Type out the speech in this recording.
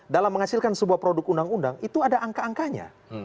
dalam menghasilkan sebuah produk undang undang itu ada angka angkanya